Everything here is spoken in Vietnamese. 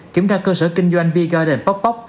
kiểm tra cơ sở kinh doanh beer garden pop pop